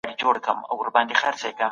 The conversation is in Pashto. خو خپله ژبه ترې ځار مه کوئ.